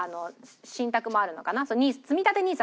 信託もあるのかな。